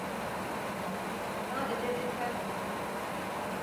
Sadece birkaç gün.